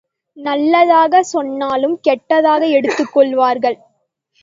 நல்லதாகச் சொன்னாலும், கெட்டதாக எடுத்துக் கொள்வார்கள்.